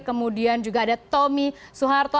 kemudian juga ada tommy soeharto